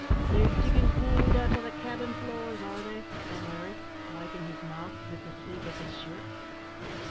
"They're diggin' goold out o' the cabin floors, are they?" said Larry, wiping his mouth with the sleeve of his shirt.